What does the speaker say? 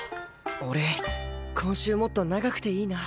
俺今週もっと長くていいな。